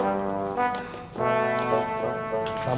buka buka buka